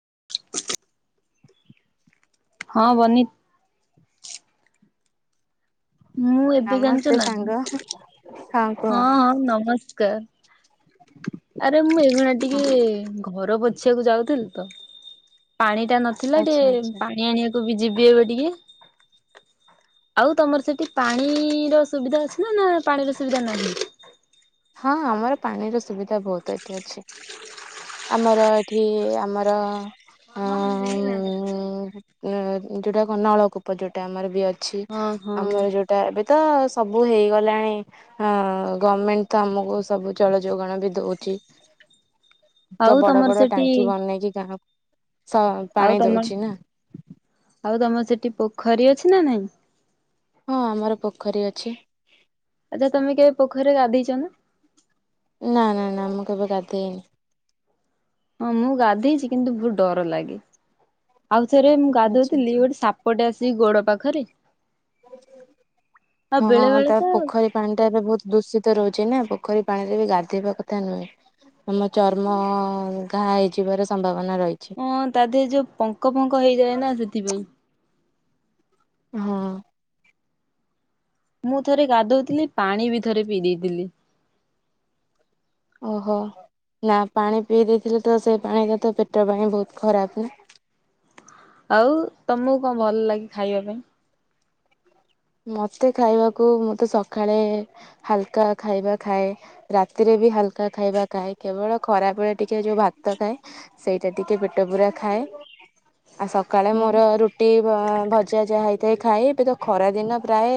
[unintelligible] ହଁ ବନିତ ମୁଁ ଏବେ ଜାଣିଛୁ ନମସ୍ତେ ନା ସାଙ୍ଗ ହଁ କୁହ। ହଁ ହଁ ନମସ୍କାର। ଆରେ ମୁଁ ଏଇଭଣା ହଁ ଟିକେ ଘର ବ ପଛକୁ ଯାଉଥିଲି ତ ପାଣି ଏହା ନଥିଲା ଆଚ୍ଛା ଟିକେ ଆଚ୍ଛା। ପାଣି ଆଣିବାକୁ ତୁ ବି ଯିବି ଏବେ ଟିକେ ଆଉ ତମର ସେଠି ପାଣିର ସୁବିଧା ଅଛି ନା ନା ପାଣିର ଅସବିଧା ନାହିଁ। ହଁ ଆମର ପାଣିର ସୁବିଧା ଏ ବହୁତ ଏଠି ଅଛି। ଆମର ଏଠି ଆମର ଆମଲା ହଁ ଯୋଉଟା କ ନଳକୂପ ଯୋଉଟା ଆମର ବି ଅଛି। ଅଛି ହଁ ହଁ ଆମର ଯୋଉଟା ଏବେ। ତ ସବୁ ହେଇଗଲାଣି ଗଭର୍ଣମେଣ୍ଟ ତ ଆମକୁ ସବୁ ଜଳ ଯୋଗାଣ ବି ଦଉଛି ତ ଆଉ ବଡ ତମର ବଡ ସେଠି ଟାଙ୍କି ବନେଇକି ଗାଁ ଆଉ ପାଣି ତମର ଦଉଛି ନା [inaudible] ଆଉ ତମର ସେଠି ପୋଖରୀ ଅଛି ନା ନାଇଁ ହଁ ଆମର ପୋଖରୀ ଅଛି। ଆଚ୍ଛା ତମେ କେବେ ପୋଖରୀ ଗାଧେଇଛ ନା ନା ନା ନା ମୁଁ କେବେ ଗାଧେଇନି ହଁ ମୁଁ ଗାଧେଇଛି କିନ୍ତୁ ବହୁତ ଡର ଲାଗେ ଆଉ [inaudible] ରେ ମୁଁ ଆଚ୍ଛା ଆଚ୍ଛା ଗାଧଉଥିଲି ଗୋଟେ ସାପଟେ ଆସି ସେଇ ଗୋଡ ପାଖରେ। ଆଉ [inaudible] ବେଳେ ହଁ ବେଳେ ତା ତ ପୋଖରୀ ପାଣି ଟା ଏବେ ବହୁତ ଦୂଷିତ ରହୁଛି ନା ପୋଖରୀ ପାଣିରେ ବି ଗାଧେଇବା କଥା ନୁହେଁ ଆମ ଚର୍ମ ଘା ହେଇଯିବାର ସମ୍ଭାବ ହଁ ତା ଦେହରେ ଯୋଉ ପଙ୍କ ଫଙ୍କ ହେଇଯାଏ ନା ସେଥିପାଇଁ। ହଁ। ମୁଁ ଥରେ ଗାଧଉଥିଲି ପାଣି ବି ଥରେ ପିଇ ଦେଇଥିଲି। [inaudible] ଓହୋ ନା ପାଣି ପିଇ ଦେଇଥିଲି ତ ସେଇ ପାଣିରେ ତ ପେଟ ପାଣି ବହୁତ ଖରାପ ନା। [inaudible] ଆଉ ତମକୁ କଣ ଭଲ ଲାଗେ? ଖାଇବା ପାଇଁ? ମତେ ଖାଇବାକୁ ମୁଁ ତ ସକାଳେ ହାଲକା ଖାଇବା ଖାଏ ରାତିରେ ବି ହାଲକା ହାଲକା ଖାଇବା ଖାଏ କେବଳ ଖରାବେଳେ ଟିକେ ଯୋଉ ଭାତ ଖାଏ, ସେଇଟା ଟିକେ ପେଟ ପୂରା ଖାଏ। ଆଉ ସକାଳେ ମୋର ରୁଟି ଭଜା ଯାହା ହେଇଥାଏ ଖାଏ ଏବେ ତ ଖରାଦି ଦିନ ପ୍ରାୟ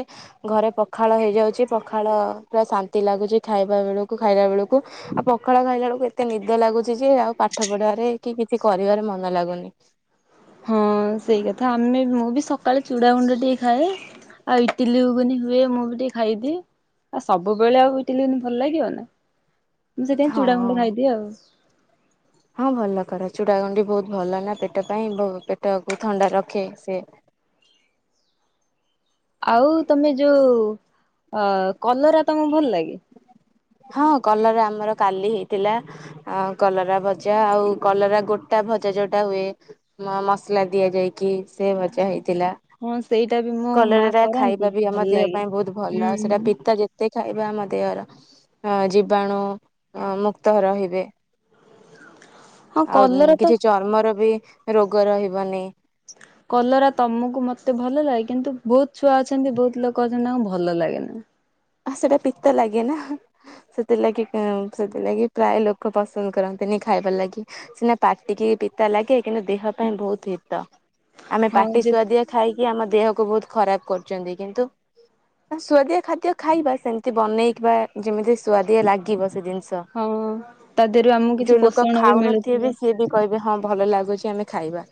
ଘରେ ପଖାଳ ହେଇଯାଉଛି, ପଖାଳ ପୁରା ଶାନ୍ତି ଲାଗୁଛି ଖାଇବା ବେଳକୁ ଖାଇଲା ବେଳକୁ ଆଉ ପଖାଳ ଖାଇଲା ବେଳକୁ ଏତେ ନିଦ ଲାଗୁଛି ଯେ ଆଉ ପାଠ ପଢିବାରେ କି କିଛି କରିବାରେ ମନ ଲାଗୁନି। ହଁ ସେଇ କଥା ଆମେ ମୁଁ ବି ସକାଳେ ଚୁଡା ଗୁଣ୍ଡ ଟିକେ ଖାଏ, ଆଉ ଇଟିଲି ଘୁଗୁନି ହୁଏ ମୁଁ ବି ଟିକେ ଖାଇଦିଏ ଆଉ ସବୁବେଳେ ଆଉ ଇଟିଲି ଘୁଗୁନି ଭଲ ଲାଗିବ ନା। ମୁଁ ସେଥିପାଇଁ ହଁ ଚୁଡ଼ାଗୁଣ୍ଡ ଖାଇଦିଏ ଆଉ। ହଁ ଭଲ କର ଚୁଡ଼ାଗୁଣ୍ଡି ବହୁତ ଭଲ ନା ପେଟ ପାଇଁ ପେଟକୁ ଥଣ୍ଡା ରଖେ ସେ। ଆଉ ତମେ ଯୋଉ ଅ କଲରା ତମକୁ ଭଲ ଲାଗେ? ହଁ କଲରା ଆମର କାଲି ହେଇଥିଲା କଲରା ଭଜା ଆଉ କଲରା ଗୋଟା ଭଜା ଯୋଉଟା ହୁଏ ମସଲା ଦିଆଯାଇକି ସେ ଭଜା ହେଇଥିଲା ହଁ ସେଇଟା ବି ମୋ ମାଆ କଲରାଟା ଖାଇବା କରନ୍ତି ବି ଆମ ଭଲ ଦେହ ଲାଗେ ପାଇଁ ବହୁତ ଭଲ ହୁଁ। ସେଟା ପିତା ଯେତେ ଖାଇବା ଆମ ଦେହର ଜୀବାଣୁ ମୁକ୍ତ ରହିବେ। ହଁ ଆଉ କଲରା ତ କିଛି ଚର୍ମର ବି ରୋଗ ରହିବନି କଲରା ତମକୁ ମତେ ଭଲ ଲାଗେ କିନ୍ତୁ ବହୁତ ଛୁଆ ଅଛନ୍ତି, ବହୁତ ଲୋକ ଅଛନ୍ତି ତାଙ୍କୁ ଭଲ ଲାଗେନା। ଆଉ ସେଟା ପିତା ଲାଗେ ନା ସେଥିଲାଗି ସେଥିଲାଗି ପ୍ରାୟ ଲୋକ ପସନ୍ଦ କରନ୍ତିନି ଖାଇବାର ଲାଗି ସିନା ପାଟିକି ପିତା ଲାଗେ କିନ୍ତୁ ଦେହ ପାଇଁ ବହୁତ ହିତ। ଆମେ ହଁ ପାଟି ଯେ ସୁୁଆଦିଆ ଖାଇକି ଆମ ଦେହକୁ ବହୁତ ଖରାପ କରୁଛନ୍ତି, କିନ୍ତୁ ସୁଆଦିଆ ଖାଦ୍ୟ ଖାଇବା ସେମିତି ବନେଇକି ବା ଯେମିତି ସୁଆଦିଆ ଲାଗିବ ସେ ଜିନିଷ [inaudible] ଷ, ହଁ ତା ଦେହରୁ ଆମକୁ କିଛି ଯୋଉ ଲୋକ ପୋଷଣ ବି ଖାଉନଥିବେ ମିଳୁଥିବ। ବି ସିଏ ବି କହିବେ ହଁ ଭଲ ଲାଗୁଛି। ଆମେ ଖାଇବା।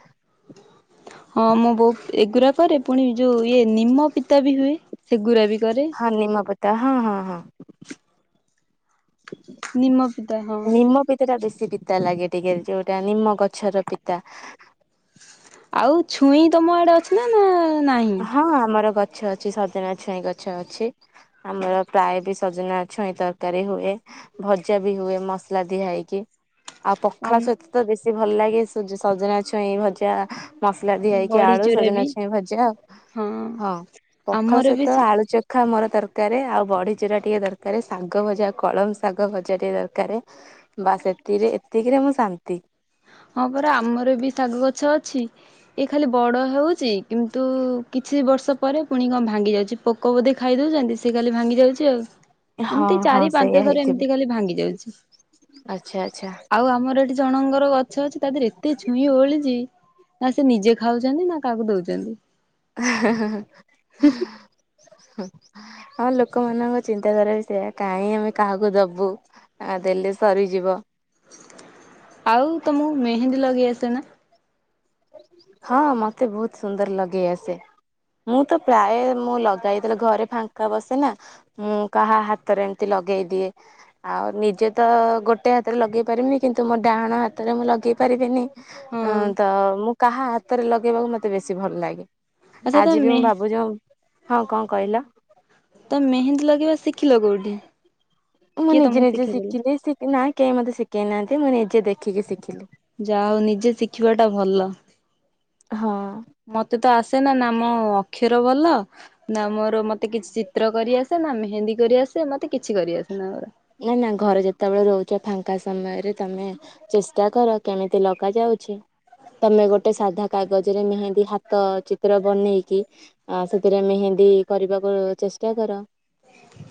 ହଁ ମୁଁ ବହୁତ ଏଗୁରା କରେ ପୁଣି ଯୋଉ ଇଏ ନିମ ପିତା ବି ହୁଏ ସେଗୁରା ବି କରେ। ହଁ ନିମ ପିତା ହଁ ହଁ ହଁ। ନିମ ପିତା ହଁ ନିମ ପିିତାଟା ବେଶୀ ପିତ୍ ପିତା ଲାଗେ ଟିକେ ଯୋଉଟା ନିମ ଗଛର ପିତା ଆଉ ଛୁଇଁ ତମ ଆଡେ ଅଛିନା ନା ନାହିଁ? ହଁଅଅ ଆମର ଗ ଗଛ ଅଛି ସଜନା ଛୁଇଁ ଗଛ ଅଛି, ଆମର ପ୍ରାୟ ବି ସଜନା ଛୁଇଁ ତରକାରୀ ହୁଏ, ଭଜା ବି ହୁଏ ମସଲା ଦିଆ ହେଇକି। ଆଉ ଆମ ପଖାଳ ସହିତ ତ ବେଶ୍ [inaudible] ସଭଲ ଲାଗେ ସେ ଯୋଉ ସଜନା ଛୁଇଁ ଭଜା। ମସଲା ଦିଆ ହେଇକି ଆଳୁ ବଢିଚୁରା ସଜନା ବି ଛୁଇଁ ଭଜା ଆଉ। ହଁ ପଖାଳ ଆମର ବି ସହିତ ସେ ଆଳୁଚକ୍ ଟା ମୋର ଦରକାର, ଆଉ ବଡି ଚୁରା ଟିକେ ଦରକାର ଶାଗ ଭଜା କଳମ ଶାଗ ଭଜା ଟିକେ ଦରକାର ବାସ୍ ଏଥିରେ ଏତିକିରେ ମୁଁ ଶାନ୍ତି। ହଁ ପରା ଆମର ବି ଶାଗ ଗଛ ଅଛି, ଏ ଖାଲି ବଡ ହଉଛି କିନ୍ତୁ କିଛି ବର୍ଷ ପରେ ପୁଣି କଣ ଭାଙ୍ଗିଯାଉଛି ପୋକ ବୋଧେ ଖାଇ ଦଉଛନ୍ତି ସେ ଖାଲି ଭାଙ୍ଗି ଯାଉଛି ଆଉ। ହଁ ଏମିତି ହଁ ଚାରି ସେଇଆ ପାଞ୍ଚ ଥର ହେଇଥିବ ଏମିତି ଖାଲି ଭାଙ୍ଗି ଯାଉଛି। ଉହୁଁ। ଆଚ୍ଛା ଆଚ୍ଛା ଆଉ ଆମର ଏଠି ଜଣଙ୍କର ଗ ଛ ଅଛି ତା ଦେହରେ ଏତେ ଛୁଇଁ ଓହଳିଛି, ନା ସେ ନିଜେ ଖାଉଛନ୍ତି ନା କାହାକୁ ଦଉଛନ୍ତି। [unintelligible] ହୁଁ ହୁଁ ଆମ ଲୋକମାନଙ୍କ ଚିନ୍ତାଧାରା ବି ସେଇୟା କାହିଁ ଆମେ କାହାକୁ ଦବୁ ଆ ଦେଲେ ସରିଯିବ। ଆଉ ତମକୁ ମେହେନ୍ଦୀ ଲଗେଇ ଆସେ ନା? ହଁ ମତେ ବହୁତ ସୁନ୍ଦର ଲଗେଇ ଆସେ, ମୁଁ ତ ପ୍ରାୟ ମୁଁ ଲଗାଏ ଯେତେଳେ ଘରେ ଫାଙ୍କା ବସେ ନା ମୁଁ କାହା ହାତରେ ଏମତି ଲଗେଇଦିଏ, ଆଉ ନିଜେ ତ ଗୋଟେ ହାତରେ ଲଗେଇ ପାରିବିନି କିନ୍ତୁ ମୋ ଡାହାଣ ହାତରେ ମୁଁ ଲଗେଇ ପାରିବିନି। ହଁ ତ ମୁଁ କାହା ହାତରେ ଲଗେଇବାକୁ ମତେ ବେଶୀ ଭଲ ଲାଗେ। ଆଚ୍ଛା ଆଜି ବି ତମେ ମୁଁ ଭାବୁଛୁମ୍ ହଁ କଣ କହିଲ? ତମେ ମେହେନ୍ଦୀ ଲଗେଇବା ଶିଖିଲ କୋଉଠି? ମୁଁ କିଏ ନିଜେ ତମକୁ ନିଜେ ଶିଖେଇଦେଲା? ଶିଖିଲି ଶି ନା କେହି ମୋତେ ଶିଖେଇ ନାହାନ୍ତି ମୁଁ ନିଜେ ଦେଖିକି ଶିଖିଲି ଯା ହଉ ନିଜେ ଶିଖିବାଟା ଭଲ। ହଁ ମତେ ତ ଆସ୍ ନା ନା ମୋ ଅକ୍ଷର ଭଲ ନା ମୋର ମତେ କିଛି ଚିତ୍ର କରିଆସେ ନା ମେ ହିନ୍ଦୀ କରିଆସେ ମତେ କିଛି କରି ଆସେ ନା। ନା ନା ଘରେ ଯେତେବେଳେ ରହୁଛ ଫାଙ୍କା ସମୟରେ ତମେ ଚେଷ୍ଟା କର କେମିତି ଲଗା ଯାଉଛି। ତମେ ଗୋଟେ ସାଧା କାଗଜରେ ମେହେନ୍ଦୀ ହାତ ଚିତ୍ର ବନେଇକି ସେଥିରେ ମେହେନ୍ଦୀ କରିବାକୁ ଚେଷ୍ଟା କର।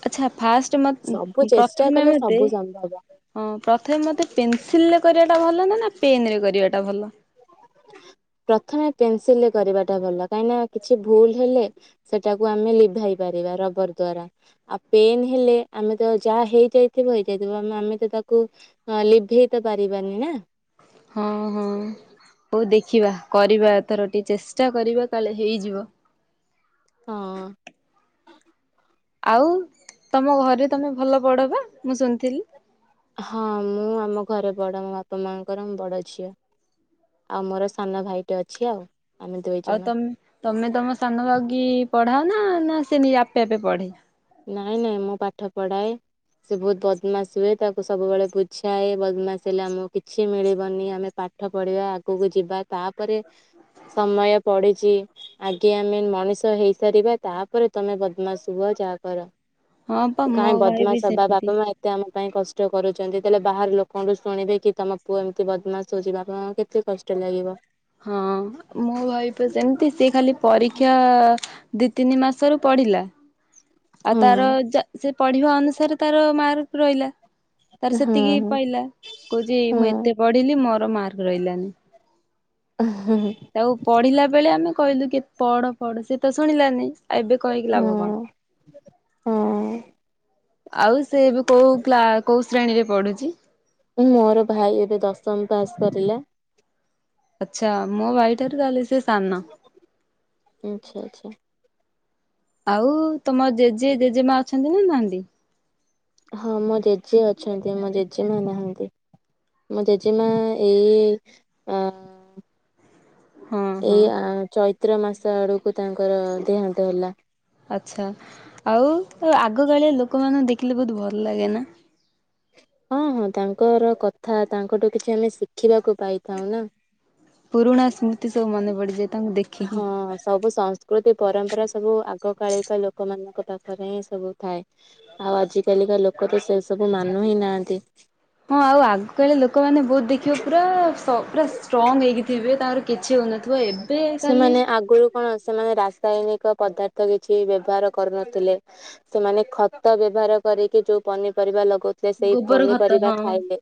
ଆଚ୍ଛା ଫାଷ୍ଟ ମତେ ସବୁ ପ୍ର ଚେଷ୍ଟା ପ୍ରଥମେ କଲେ ମତେ ସବୁ ସମ୍ଭବ। ହଁ ପ୍ରଥମେ ମତେ ପେନସିଲରେ କ ଟା ଭଲ ନା ନା ପେନରେ କରିବାଟା ଭଲ ପ୍ରଥମେ ପେନସିଲରେ କରିବାଟା ଭଲ ।କାହିଁକି ନା କିଛି ଭୁଲ ହେଲେ ସେଟାକୁ ଆମେ ଲିଭାଇ ପାରିବା ରବର ଦ୍ଵାରା ଆଉ ପେନ ହେଲେ ଆମେ ତ ଯାହା ହେଇ ଯାଇଥିବ ହେଇଯାଇଥିବ ଆମେ ତ ତାକୁ ଲିଭେଇ ତ ପାରିବାନି ନା। ହଁ ହଁ। ହଉ ଦେଖିବା କରିବା ଏଥର ଟିକେ ଚେଷ୍ଟା କରିବା କାଳେ ହେଇଯିବ। ହଁ। ଆଉ ତମ ଘରେ ତମେ ଭଲ ପଢ ବା ମୁଁ ଶୁଣିଥିଲି। ହଁ ମୁଁ ଆମ ଘରେ ବଡ ମୋ ବାପା ମାଆଙ୍କର ବଡ ଝିଅ। ଆଉ ମୋର ସାନ ଭାଇ ଟା ଅଛି ଆଉ। ଆମେ ଦୁଇ ଆଉ ଜଣ ତମେ ତମେ ତମ ସାନ ଭାଗି ପଢାଅ ନା ନା ସେ ନିଜେ ଆପେ ଆପେ ପଢେ? ନାଇଁ ନାଇଁ ମୁଁ ପାଠ ପଢାଏ। ସେ ବହୁତ ବଦମାସ ହୁଏ ତାକୁ ସବୁବେଳେ ବୁଝାଏ ବଦମାସ ହେଲେ ଆମକୁ କିଛି ମିଳିବନି ଆମେ ପାଠ ପଢିବା ଆଗକୁ ଯିବା। ତା ପରେ ସମୟ ପଡିଛି ଆଗେ ଆମେ ମଣିଷ ହେଇସାରିବା ତାପରେ ତମେ ବଦମାସ ହୁଅ ଯାହା କର। ହଁ ପା ମୋ କାହିଁ ଭାଇ ବି ବଦମାସ ହେ ବା ସେମିତି। ବାପା ମା ଏତେ ଆମ ପାଇଁ କ କଷ୍ଟ କରୁଛନ୍ତି ତାହେଲେ ବାହାର ଲୋକଙ୍କଠୁ ଶୁଣିବେ କି ତମ ପୁଅ ଏମିତି ବଦମାସ ହଉଛି ବାପା ମାଆକୁ କେତେ କଷ୍ଟ ଲାଗିବ। ହଁ ମୁଁ ଭାଇ ପା ସେମିତି ସିଏ ଖାଲି ପରୀକ୍ଷା ଦୁଇ ତିନି ମାସରୁ ପଡ଼ିଲା ଆଉ ହଁ ତାର ସେ ପଢିବା ଅନୁସାରେ ତାର ମାର୍କ ରହିଲା। ତାର ହଁ ସେତିକି ପାଇଲା କହୁଛି ହଁ ମୁଁ ଏତେ ପଢିଲି ମୋର ମାର୍କ ରହିଲାନି। ହଁ। ତାକୁ ପଢିଲା ବେଳେ ଆମେ କହିଲୁ କେତେ ପଢ ପଢ ସେ ତ ଶୁଣିଲାନି। ଏବେ କହିକି ଲାଭ କଣ? ହଁ। ହଁ ଆଉ ସେ ଏବେ କୋଉ କ୍ଲା କୋଉ ଶ୍ରେଣୀରେ ପଢୁଛି? ମୋର ଭାଇ ଏବେ ଦଶମ ପାସ୍ କରିଲା। ଆଚ୍ଛା। ମୁଁ ଭାଇ ଠାରୁ ତାହା ହେଲେ ସେ ସାନ। ଆଚ୍ଛା ଆଚ୍ଛା। ଆଉ ତମ ଜେଜେ ଜେଜେମା ଅଛନ୍ତି ନା ନାହାନ୍ତି? ହଁ ମୋ ଜେଜେ ଅଛନ୍ତି ମୋ ଜେଜେମା ନାହାନ୍ତି ମୋ ଜେଜେମା ଏଇ ଏଇ ହଁ ହଁ ଚୈତ ଚୈତ୍ର ମାସ ଆଡ଼କୁ ତାଙ୍କର ଦେହାନ୍ତ ହେଲା। ଆଛା ଆଉ ତ ଆଗକାଳିଆ ଲୋକମାନଙ୍କୁ ଦେଖିଲେ ବହୁତ ଭଲ ଲାଗେ ନା। ହଁ ହଁ ତାଙ୍କର କଥା ତାଙ୍କଠୁ କିଛି ଆମେ ଶିଖିବାକୁ ପାଇଥାଉ ନା। ପୁରୁଣା ସ୍ମୃତି ସବୁ ମନେ ପଡିଯାଏ ତାଙ୍କୁ ଦେଖିକି। ହଁ ସବୁ ସଂସ୍କୃତି ପରମ୍ପରା ସବୁ ଆଗକାାଳିକା ଲୋକମାନଙ୍କ ପାଖରେ ହିଁ ସବୁ ଥାଏ ଆଉ ଆଜିକାଲିକା ଲୋକ ତ ସେ ସବୁ ମାନୁ ହିଁ ନାହା ନ୍ତି। ହଁ ଆଉ ଆଗ କାଳର ଲୋକମାନେ ବହୁତ ଦେଖିବ ପୁରା ସ ପୁରା ଷ୍ଟ୍ରଙ୍ଗ୍ ହେଇିକି ଥିବେ ତାର କିଛି ହଉନଥିବ ଏବେ କାଲି ସେମାନେ ଆଗରୁ କଣ ସେମାନେ ରାସାୟନିକ ପଦାର୍ଥ କିଛି ବ୍ୟବହାର କରୁନଥିଲେ ସେମାନେ ଖତ ବ୍ୟବହାର କରିକି ଯୋଉ ପନିପରିବା ଲଗା କହୁଥିଲେ ସେଇ ଗୋବର ଖତ ପନିପରିବା ହଁ। ଖାଇଲେ,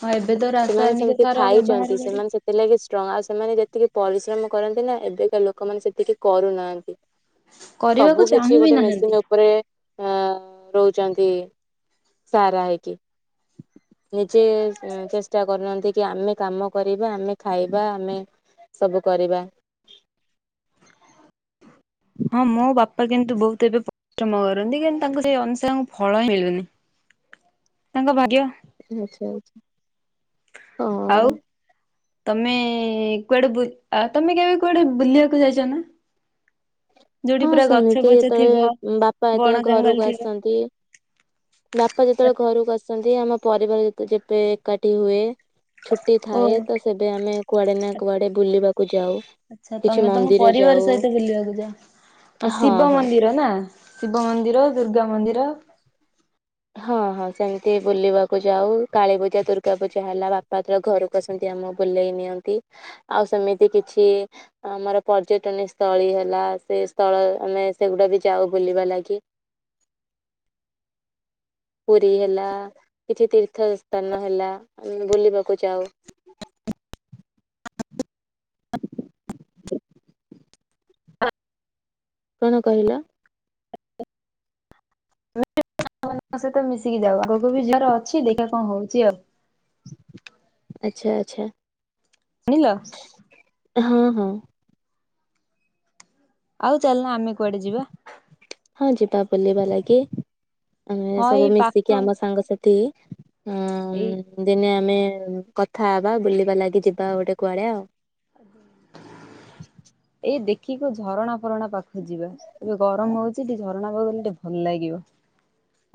ହଁ ଏବେ ତ ସେମାନେ ରାସାୟନିକ ସେମିତି ସାର ବ୍ୟବହାର ଖାଇଛନ୍ତି କରି ସେମାନେ ସେ ହେଇକି ଷ୍ଟ୍ରଙ୍ଗ ଆଉ ସେମାନେ ଯେତିକି ପରିଶ୍ରମ କରନ୍ତି ନା ଏବେକା ଲୋକମାନେ ସେତିକି କରୁନାହାନ୍ତି। ସବୁ କରିବାକୁ କିଛି ଚାହୁଁ ବି ଗୋଟେ ମେସିନ୍ ନାହାନ୍ତି। ଉପରେ ଅଁ ରହୁଛନ୍ତି ସାରା ହେଇକି ନିଜେ ଚେଷ୍ଟା କରୁନାହାନ୍ତି କି ଆମେ କାମ କରିବା ଆମେ ଖାଇବା ଆମେ ସବୁ କରିବା। ହଁ ମୋ ବାପା କିନ୍ତୁ ବହୁତ ଏବେ ପରିଶ୍ରମ କରନ୍ତି କିନ୍ତୁ ତାଙ୍କୁ ସେଇ ଅନୁସାରେ ଫଳ ହିଁ ମିଳୁନି ତାଙ୍କ ଭାଗ୍ୟ। ଆଚ୍ଛା ଆଛା। ଆଉ ତମେ କୁଆଡେ ବୁଲି ତମେ କେବେ କୁଆଡେ ବୁଲିବାକୁ ଯାଇଛ ନା? ଯୋଉଠି ହଁ ପୁରା ଗଛ ସେମିତି ପଛ ଥିବ ଯେତେବେଳେ ବାପା ବଣ ଯେତେବେଳେ ଜଙ୍ଗଲ ଘରକୁ ଥିବ। ଆସନ୍ତି। ବାପା ଯେତେବେଳେ ଘରକୁ ଆସନ୍ତି। ନ୍ତି ଆମ ପରିବାର ଯେତେ ଯେବେ ଏକାଠି ହୁଏ। ଛୁଟି ଓ ଥାଏ ତ ସେବେ ଆମେ କୁଆଡେ ନା କୁଆଡେ ବୁଲିବାକୁ ଯାଉ। ଆଛା କିଛି ତମେ ତମ ମନ୍ଦିର ପରିବାର ଯାଉ ସହିତ ବୁଲିବାକୁ ଯାଅ। ହ ହଁ ଶିବ ହଁ ମନ୍ଦିର ନା। ଶିବ ମନ୍ଦିର ଦୁର୍ଗା ମନ୍ଦିର। ହଁ ହଁ ସେମିତି ବୁଲିବାକୁ ଯାଉ କାଳୀପୂଜା ଦୁର୍ଗା ପୂଜା ହେଲା ବାପା ଯେବେ ଘରକୁ ଆସନ୍ତି ଆମକୁ ବୁଲେଇ ନିଅନ୍ତି। ଆଉ ସେମିତି କିଛି ଆମର ପର୍ଯ୍ୟଟନୀ ସ୍ଥଳୀ ହେଲା ସେ ସ୍ଥଳ ଆମେ ସେଗୁଡ଼ା ବି ଯାଉ ବୁଲିବା ଲାଗି। ପୁରୀ ହେଲା କିଛି ତୀର୍ଥ ସ୍ଥାନ ହେଲା ଆମେ ବୁଲିବାକୁ ଯାଉ। କଣ କହିଲ? [inaudible] ଙ୍କ ସହିତ ମିଶିକି ଯାଉ ଆଗକୁ ବି ଯିବାର ଅଛି ଦେଖିବା କଣ ହଉଛି ଆଉ। ଆଚ୍ଛା ଆଚ୍ଛା। ଶୁଣିଲ। ହଁ ହଁ। ଆଉ ଚାଲନା ଆମେ କୁଆଡେ ଯିବା? ହଁ ଯିବା ବୁଲିବା ଲାଗି। ଆମେ ହଁ ଏଇ ସବୁ ପାଖ ମିଶିକି ଆମ ସାଙ୍ଗସାଥି [inaudible] ଏଇ ହଁ ଦିନେ ଆମେ କଥା ହବା ବୁଲିବା ଲାଗି ଯିବା ଗୋଟେ କୁଆଡେ ଆଉ। ଏଇ ଦେଖି ଖ ଝରଣା ଫରଣା ପାଖକୁ ଯିବା ଏବେ ଗରମ ହଉଛି ଟିକେ ଝରଣା ପାଖକୁ ଗଲେ ଟିକେ ଭଲ ଲାଗିବ।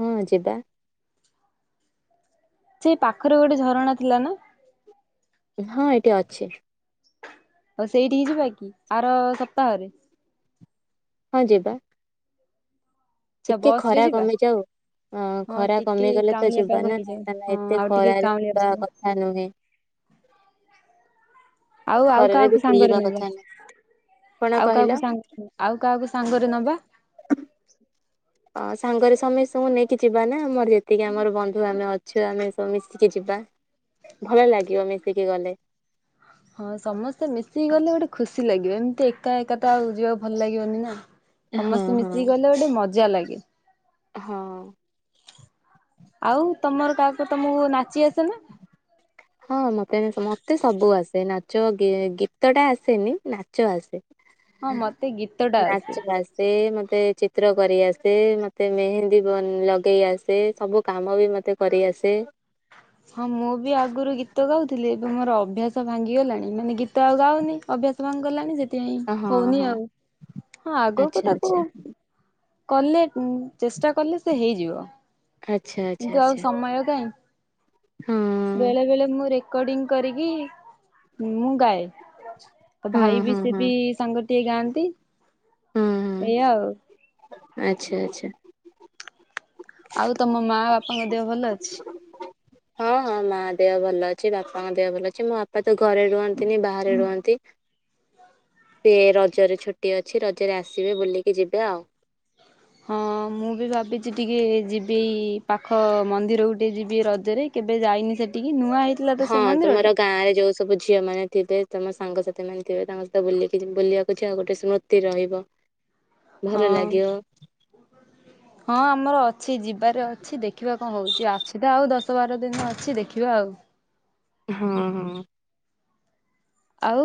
ହଁ ଯିବା। ସେଇ ପାଖରେ ଗୋଟେ ଝରଣା ଥିଲା ନା? ହଁ ଏଟା ଅଛି। ଆଉ ସେଇଠି ହେଇଯିବା କି ଆର ସପ୍ତାହରେ? ହଁ ଯିବା। ଆଚ୍ଛା ଟିକେ ବସ ରେ ଖରା ଯିବା। କମିଯାଉ ହଁ ଖରା ଟିକେ କମିଗଲେ ତ କାଉଁଳିଆ ପାଗ ଯିବ ନା ହେଇଯାଉ ନାଇ ହଁ ଏତେ ଆଉ ଟିକେ ଖରାାରେ କାଉଁଳିଆ ଯିବା ପାଗ କଥା ନୁହେଁ। ଆଉ ଆଉ ଖରାରେ ବି କାହାକୁ ସାଙ୍ଗରେ ବୁଲିବା ନବା କଥା ନୁହଁ କଣ ଆଉ କହିଲ କାହାକୁ ସାଙ୍ଗ ଆଉ କାହାକୁ ସାଙ୍ଗରେ ନବା? ଅ ସାଙ୍ଗରେ ସମେସ୍ତଙ୍କୁ ନେଇକି ଯିବା ନା ଆମର ଯେତିକି ଆମର ବନ୍ଧୁ ଆମେ ଅଛୁ ଆମେ ସବୁ ମିଶିକି ଯିବା ଭଲ ଲାଗିବ ମିଶିକି ଗଲେ ହଁ ସମସ୍ତେ ମିଶିକି ଗଲେ ଗୋଟେ ଖୁସି ଲାଗେ। ଏମିତି ଏକା ଏକା ତ ଆଉ। ଯିବାକୁ ଭଲ ଲାଗିବନି ନା ହଁ ସମସ୍ତେ ହଁ। ମିଶିକି ଗଲେ ଗୋଟେ ମଜା ଲାଗେ। ହଁ ଆଉ ତମର କାହାକୁ ତମକୁ ନାଚି ଆ ସେନା ହଁ ମତେ ଏବେ ମତେ ସବୁ ଆସେ ନା ଚ ଗୀତ ଟା ଆସେନି ନାଚ ଆସେ। ହଁ ମତେ ଗୀତ ଟା ଆସେ। ମୋତେ ଚିତ୍ର କରିଆସେ ମୋତେ ମେହେନ୍ଦୀ ଲଗେଇ ଆସେ ସବୁ କାମ ବି ମୋତେ କରିଆସେ। ହଁ ମୁଁ ବି ଆଗରୁ ଗୀତ ଗାଉଥିଲି ଏବେ ମୋର ଅଭ୍ୟାସ ଭାଙ୍ଗିଗଲାଣି ମାନେ ଗୀତ ଆଉ ଗାଉନି ଅଭ୍ୟାସ ଭାଙ୍ଗିଗଲାଣି ସେ ପାଇ ହଁ ହଉନି ହଁ ଆଉ ହଁ ଆଗକୁ ଆଚ୍ଛା ତାକୁ ଆଚ୍ଛା କଲେ ଉଁ ଚେଷ୍ଟା କଲେ ସେ ହେଇଯିବ ଆଚ୍ଛା ଆଚ୍ଛା କିନ୍ତୁ ଆଉ ଆଚ୍ଛା ସମୟ କାହିଁ? ହଁ ବେଳେ ବେଳେ ମୁଁ ରେକର୍ଡିଙ୍ଗ କରିକି ହଁ ମୁ ଗାଏ। ତ ହଁ ଭାଇ ବି ହଁ ସେ ହଁ ହଁ ବି ସାଙ୍ଗ ଟିକେ ଗାଆନ୍ତି। ହଁ ଏଇଆ ଆଉ। ଆଚ୍ଛା ଆଚ୍ଛା। ଆଉ ତମ ମାଆ ବାପାଙ୍କ ଦେହ ଭଲ ଅଛି। ହଁ ହଁ ମା ଦେହ ଭଲ ଅଛି ବାପାଙ୍କ ଦେହ ଭଲ ଅଛି ମୋ ବାପା ତ ଘରେ ରୁହନ୍ତିନି ବାହାରେ ରୁହନ୍ତି ସି ରଜରେ ଛୁଟି ଅଛି ରଜରେ ଆସିବେ ବୁଲିକି ଯିବେ ଆଉ। ହଁ ମୁଁ ବି ଭାବିଛି ଟିକେ ଯିବି ପାଖ ମନ୍ଦିର ଗୋଟେ ଯିବି ରଜରେ କେବେ ଯାଇନି ସେଠିକି। କି ନୂଆ ହେଇଥିଲା ତ ହଁ ସେ ମନ୍ଦିର ତୁମର ଟା। ଗାଁ ରେ ଯୋଉ ସବୁ ଝିଅ ମାନେ ଥିବେ ତମ ସାଙ୍ଗସାଥି ମାନେ ଥିବେ। ତାଙ୍କ ସହିତ ବୁଲିକି ବୁଲିବାକୁ ଯଉ ଗୋଟେ ସ୍ମୃତି ରହିବ। ଭଲ ହଁ ଲାଗିବ [inaudible] ହଁ ଆମର ଅଛି ଯିବାରେ ଅଛି। ଦେଖିବା କଣ ହଉଛି ଆଛି ତ ଆଉ ଦଶ ବତବାର ଦିନ ଅଛି ଦେଖିବା ଆଉ ହଁ ହଁ। ଆଉ